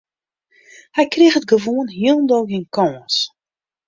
Hy kriget gewoan hielendal gjin kâns.